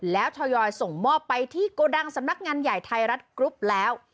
แล้วทยอยส่งมอบไปที่โกดังสำนักงานใหญ่ไทยรัฐกรุ๊ปแล้ว